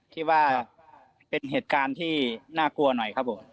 คิดว่าเป็นเหตุการณ์ที่น่ากลัวหน่อยครับผม